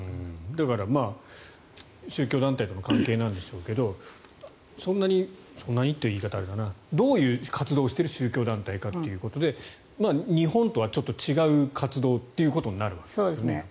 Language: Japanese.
だから、宗教団体との関係なんでしょうけどそんなにという言い方はあれかなどういう活動をしている宗教団体かってことで日本とはちょっと違う活動ということになるんですかね。